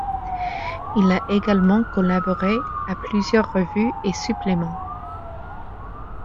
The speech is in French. Il a également collaboré à plusieurs revues et suppléments.